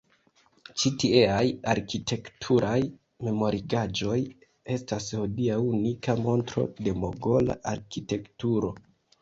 Ĉi tieaj arkitekturaj memorigaĵoj estas hodiaŭ unika montro de mogola arkitekturo.